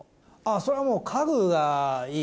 それはもう。